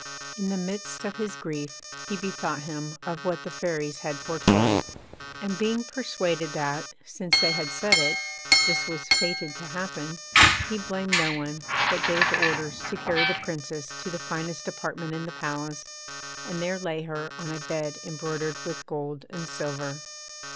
In the midst of his grief he bethought him of what the Fairies had foretold; and being persuaded that, since they had said it, this was fated to happen, he blamed no one but gave orders to carry the Princess to the finest apartment in the palace, and there lay her on a bed embroidered with gold and silver.